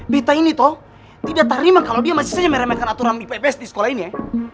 bita ini toh tidak terima kalau dia masih saja meremehkan aturan di pps di sekolah ini ya